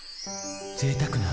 ぜいたくな．．．